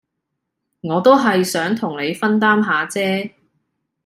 我都係想同你分擔下姐